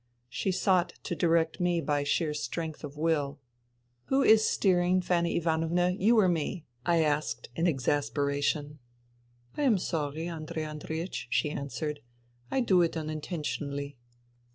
She sought to direct me by sheer strength of will. Who is steering, Fanny Ivanovna ? You or me ?" I asked in exasperation. " I am sorry, Andrei Andreiech," she answered. "I do it unintentionally."